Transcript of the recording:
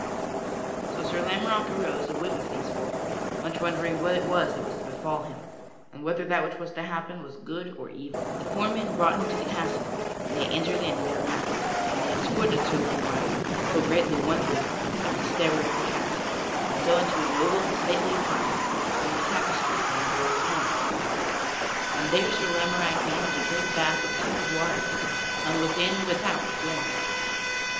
So Sir Lamorack arose and went with those four, much wondering what it was that was to befall him, and whether that which was to happen was good or evil. [Sidenote: Sir Lamorack is brought to the castle] The four men brought him to the castle and they entered in thereat, and they escorted Sir Lamorack, still greatly wondering, up the stairway of the castle, and so into a noble and stately apartment, hung with tapestries and embroidered hangings. And there Sir Lamorack beheld a great bath of tepid water, hung within and without with linen.